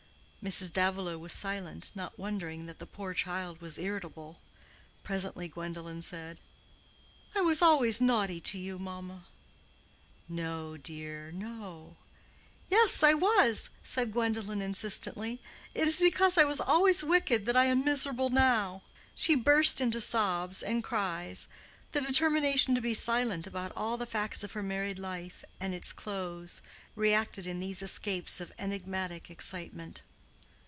Mrs. Davilow was silent, not wondering that the poor child was irritable. Presently Gwendolen said, "I was always naughty to you, mamma." "No, dear, no." "Yes, I was," said Gwendolen insistently. "It is because I was always wicked that I am miserable now." She burst into sobs and cries. The determination to be silent about all the facts of her married life and its close, reacted in these escapes of enigmatic excitement.